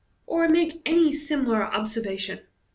" or make any similar observation.